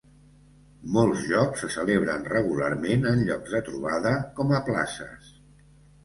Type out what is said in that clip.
Molts jocs se celebren regularment en llocs de trobada com a places.